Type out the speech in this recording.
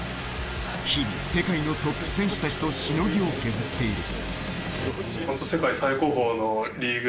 日々、世界のトップ選手たちとしのぎを削っている。